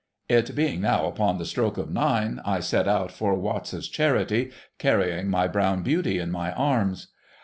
It being now upon the stroke of nine, I set out for Watts's Charity, carrying my brown beauty in my arms.